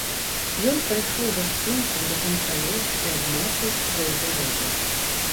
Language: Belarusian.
Ён прайшоў гасцінцам да канца лесу і абмацаў ствол бярозы.